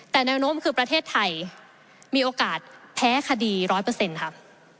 แต่แนวโน้มคือประเทศไทยมีโอกาสแพ้คดี๑๐๐ครับ